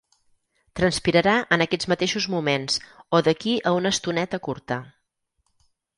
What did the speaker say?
Transpirarà en aquests mateixos moments o d'aquí a una estoneta curta.